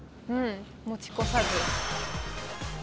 持ち越さず。